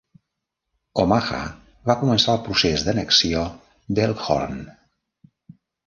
Omaha va començar el procés d'annexió d'Elkhorn.